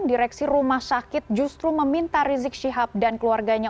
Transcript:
direksi rumah sakit justru meminta rizik syihab dan keluarganya